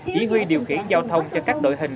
chỉ huy điều khiển giao thông cho các đội hình